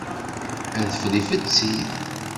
Adfel ifetti.